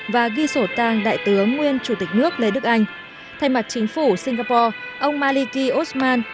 và ghi sổ tang đại tướng nguyên chủ tịch nước lê đức anh thay mặt chính phủ singapore ông maliki osman